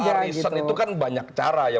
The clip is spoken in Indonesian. soal reason itu kan banyak cara